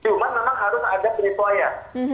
cuma memang harus ada penyesuaian